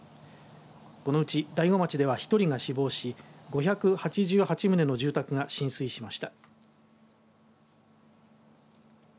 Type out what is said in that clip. このうち大子町では１人が死亡し５８８棟の住宅が浸水しました。